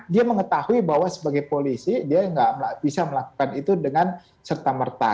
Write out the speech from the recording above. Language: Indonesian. dia mengetahui bahwa sebagai polisi dia nggak bisa melakukan itu dengan serta merta